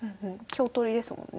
香取りですもんね。